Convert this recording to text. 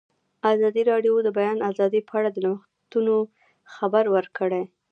ازادي راډیو د د بیان آزادي په اړه د نوښتونو خبر ورکړی.